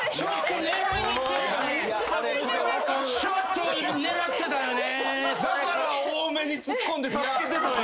ちょっと狙ってたんやね！